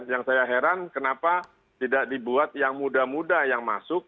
yang saya heran kenapa tidak dibuat yang muda muda yang masuk